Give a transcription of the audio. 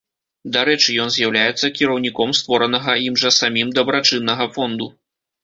Дарэчы, ён з'яўляецца кіраўніком створанага ім жа самім дабрачыннага фонду.